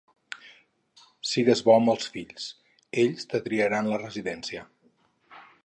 Sigues bo amb els fills; ells te triaran la residència.